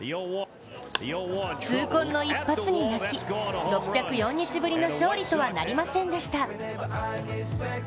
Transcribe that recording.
痛恨の一発に泣き、６０４日ぶりの勝利とはなりませんでした。